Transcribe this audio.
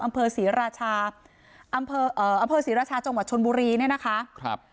อำเภอศรีราชาอำเภอเอ่ออำเภอศรีราชาจังหวัดชนบุรีเนี่ยนะคะครับ